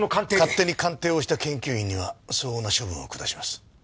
勝手に鑑定をした研究員には相応な処分を下します。